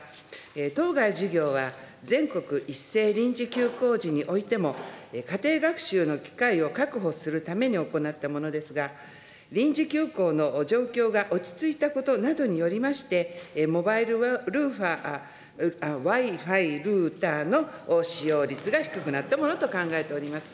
当該事業は全国一斉臨時休校時においても、家庭学習の機会を確保するために行ったものですが、臨時休校の状況が落ち着いたことなどによりまして、モバイルＷｉ−Ｆｉルータの使用率が低くなったものと考えております。